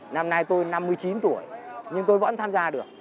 năm nay tôi năm mươi chín tuổi nhưng tôi vẫn tham gia được